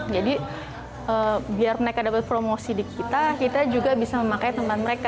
jadi biar mereka dapat promosi di kita kita juga bisa memakai tempat mereka